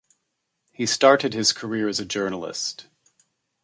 He started his career as a journalist.